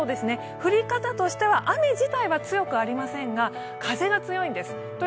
降り方としては、雨自体は強くありませんが風が強いんです。